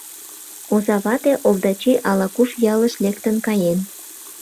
Оза вате Овдачи ала-куш ялыш лектын каен.